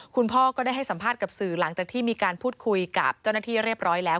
คุณพ่อก็ได้ให้สัมภาษณ์กับสื่อหลังจากที่มีการพูดคุยกับเจ้าหน้าที่เรียบร้อยแล้ว